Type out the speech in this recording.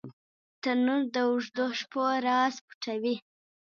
تنور د اوږدو شپو راز پټوي